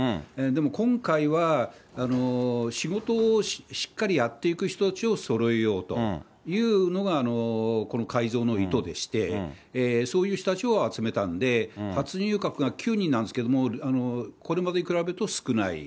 でも今回は、仕事をしっかりやっていく人たちをそろえようというのが、この改造の意図でして、そういう人たちを集めたんで、初入閣が９人なんですけれども、これまでに比べると少ない。